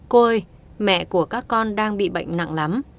cô ơi mẹ của các con đang bị bệnh nặng lắm